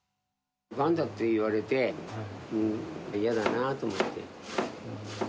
がんだって言われて、嫌だなと思って。